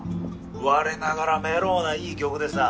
我ながらメロウないい曲でさ。